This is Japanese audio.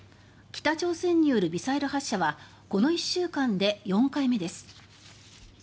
北朝鮮によるミサイル発射はこの１週間で４回目です。